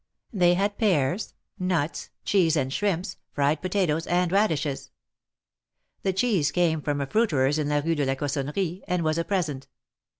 They had pears, nuts, cheese and shrimps, fried potatoes and radishes. The cheese came from a fruiterer's in la Rue de la Cossonnerie, and was a present.